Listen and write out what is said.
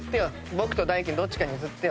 僕と大貴どっちかに譲ってよ。